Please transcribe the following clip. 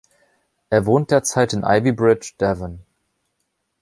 Er wohnt derzeit in Ivybridge, Devon.